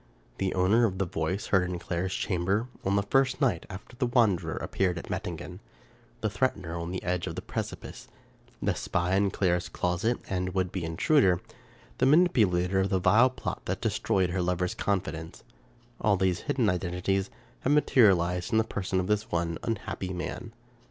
The owner of the voice heard in Clara's chamber, on the first night after the wanderer appeared at Mettingen ; the threatener on the edge of the precipice ; the spy in Clara's closet, and would be intruder; the manipulator of the vile plot that destroyed her lover's confidence — all these hidden identities have materialized in the person of this one un happy man.